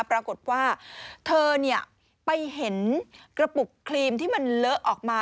ปรากฏว่าเธอไปเห็นกระปุกครีมที่มันเลอะออกมา